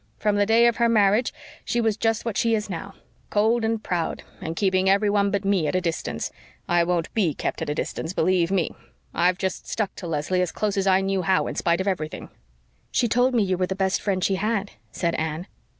From the day of her marriage she was just what she is now cold and proud, and keeping everyone but me at a distance. I won't BE kept at a distance, believe ME! I've just stuck to Leslie as close as I knew how in spite of everything." "She told me you were the best friend she had," said Anne.